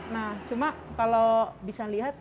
nah cuma kalau bisa lihat